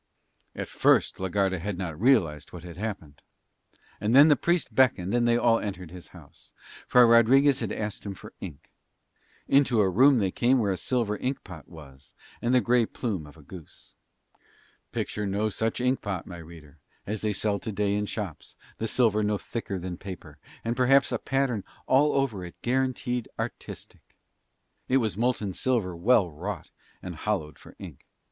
At first la Garda had not realised what had happened. And then the Priest beckoned and they all entered his house, for Rodriguez had asked him for ink. Into a room they came where a silver ink pot was, and the grey plume of the goose. Picture no such ink pot, my reader, as they sell to day in shops, the silver no thicker than paper, and perhaps a pattern all over it guaranteed artistic. It was molten silver well wrought, and hollowed for ink.